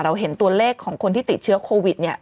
เราเห็นตัวเลขของคนที่ติดเชื้อโควิดเนี่ย